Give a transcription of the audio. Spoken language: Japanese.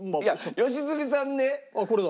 良純さん